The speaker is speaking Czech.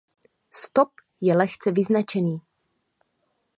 Stop je lehce vyznačený.